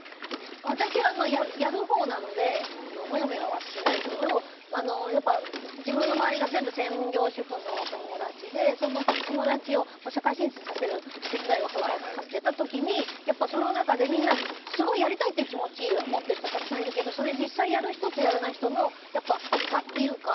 私は、やるほうなのでモヤモヤはしないけど自分の周りが全部専業主婦の友達でその友達を社会進出させる手伝いをしてた時にやっぱり、その中ですごいみんな、やりたいという気持ちを持っている人はたくさんいるけど実際にやる人とやらない人の差というか。